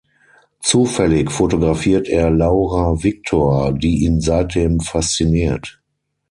Zufällig fotografiert er Laura Victor, die ihn seitdem fasziniert.